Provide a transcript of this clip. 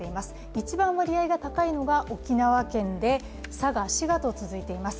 一番割合が高いのが沖縄県で佐賀、滋賀と続いています。